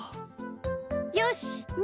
よしみ